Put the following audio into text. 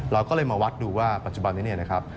เราก็เลยมาวัดดูว่าปัจจุบันนี้เนี่ยนะครับ